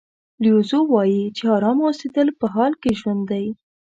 لیو زو وایي چې ارامه اوسېدل په حال کې ژوند دی.